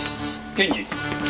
検事！